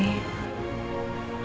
semoga semuanya cepat ronggak